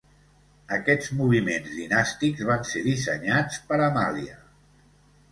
Aquests moviments dinàstics van ser dissenyats per Amàlia.